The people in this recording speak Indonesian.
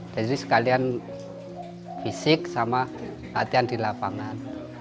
jadi sekalian fisik sama latihan di lapangan